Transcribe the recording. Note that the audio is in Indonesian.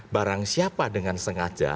barang siapa dengan sengaja